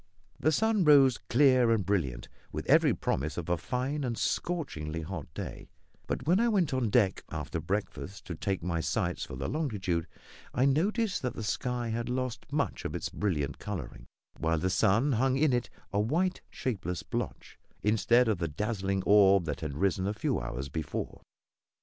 The sun rose clear and brilliant, with every promise of a fine and scorchingly hot day; but when I went on deck after breakfast to take my sights for the longitude, I noticed that the sky had lost much of its brilliant colouring, while the sun hung in it a white, shapeless blotch, instead of the dazzling orb that had risen a few hours before.